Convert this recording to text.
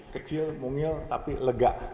kecil mungil tapi lega